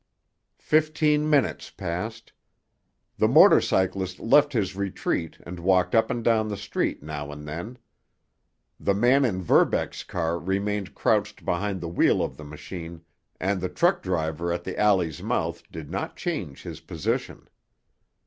Fifteen minutes passed. The motor cyclist left his retreat and walked up and down the street now and then. The man in Verbeck's car remained crouched behind the wheel of the machine, and the truck driver at the alley's mouth did not change his position.